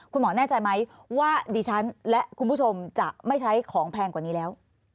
คุณหมอแน่ใจไหมว่าดิฉันและคุณผู้ชมจะไม่ใช้ของแพงกว่านี้แล้ว